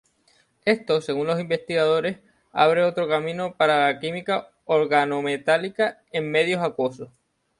Esto, según los investigadores, abre otro camino para la química organometálica en medio acuoso.